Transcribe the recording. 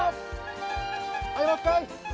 はいもう一回！